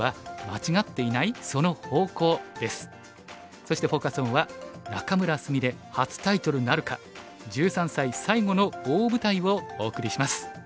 そしてフォーカス・オンは「仲邑菫初タイトルなるか１３歳最後の大舞台」をお送りします。